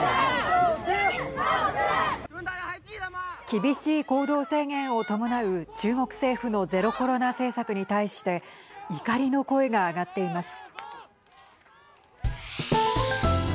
厳しい行動制限を伴う中国政府のゼロコロナ政策に対して怒りの声が上がっています。